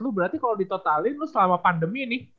lu berarti kalau ditotalin selama pandemi nih